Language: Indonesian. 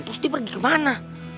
terus dia pergi kemana